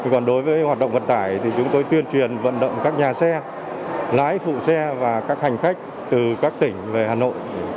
còn đối với hoạt động vận tải thì chúng tôi tuyên truyền vận động các nhà xe lái phụ xe và các hành khách từ các tỉnh về hà nội